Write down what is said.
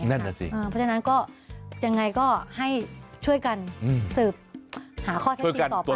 เพราะฉะนั้นก็ยังไงก็ให้ช่วยกันสืบหาข้อเท่าจริงต่อไป